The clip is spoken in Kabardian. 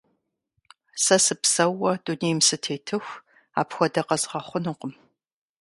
Сэ сыпсэууэ дунейм сытетыху, апхуэдэ къэзгъэхъунукъым.